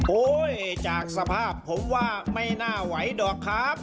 จากสภาพผมว่าไม่น่าไหวหรอกครับ